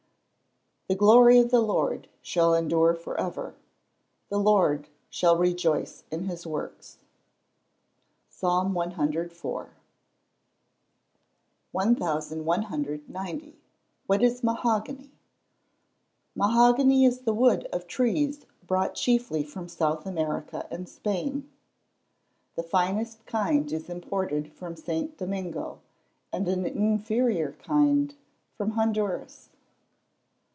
[Verse: "The glory of the Lord shall endure for ever: the Lord shall rejoice in his works." PSALM CIV.] 1190. What is mahogany? Mahogany is the wood of trees brought chiefly from South America and Spain. The finest kind is imported from St. Domingo, and an inferior kind from Honduras.